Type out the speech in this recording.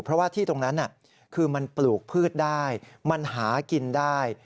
เพราะว่าที่ตรงนั้นคือมันปลูกพืชได้มันหากินได้